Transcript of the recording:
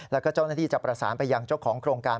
แล้วก็เจ้าหน้าที่จะประสานไปยังเจ้าของโครงการ